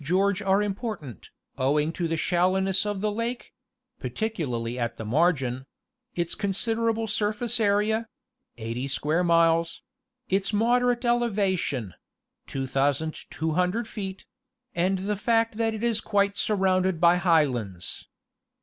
The observations at Lake George are important, owing to the shallowness of the lake (particularly at the margin); its considerable surface area (eighty square miles), its moderate elevation (2,200 feet), and the fact that it is quite surrounded by high lands.